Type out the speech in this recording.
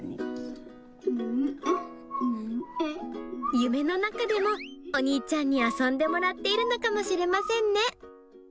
夢の中でも、お兄ちゃんに遊んでもらっているのかもしれませんね。